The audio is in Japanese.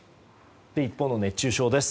一方の熱中症です。